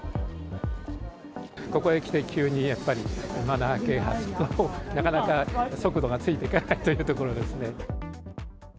ここへきて、急にやっぱりマナー啓発と、なかなか速度がついていかないというところですね。